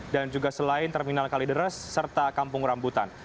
dan juga selain terminal kalideres serta kampung rambutan